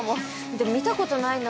でも見た事ないな。